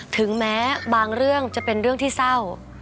ถึงแม้บางเรื่องจะเป็นเรื่องที่เศร้า